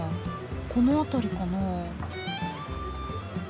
この辺りかな。